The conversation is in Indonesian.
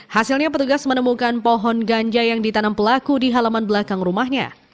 hasilnya petugas menemukan pohon ganja yang ditanam pelaku di halaman belakang rumahnya